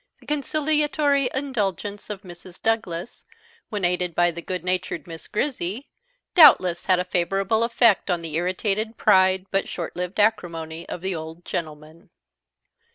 The conciliatory indulgence of Mrs. Douglas, when aided by the good natured Miss Grizzy, doubtless had a favourable effect on the irritated pride but short lived acrimony of the old gentleman.